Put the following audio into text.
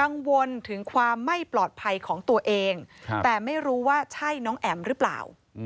กังวลถึงความไม่ปลอดภัยของตัวเองแต่ไม่รู้ว่าใช่น้องแอ๋มหรือเปล่า